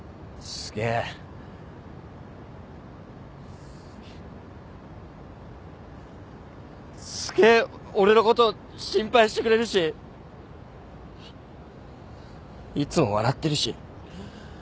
すげえ俺のこと心配してくれるしいつも笑ってるし。